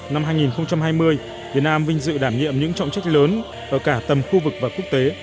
năm hai nghìn hai mươi việt nam vinh dự đảm nhiệm những trọng trách lớn ở cả tầm khu vực và quốc tế